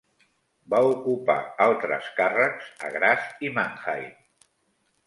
Va ocupar altres càrrecs a Graz i Mannheim.